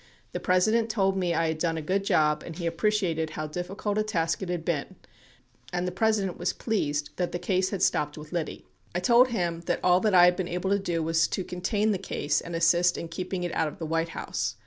The Presi dent told me I had done a good job and he appreciated how difficult a task it had been and the President was pleased that the case had stopped with Liddy ... I told him that all that I had been able to do was to contain the case and assist in keeping it out of the White House.